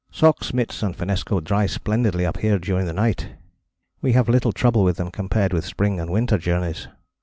Socks, mitts and finnesko dry splendidly up here during the night. We have little trouble with them compared with spring and winter journeys.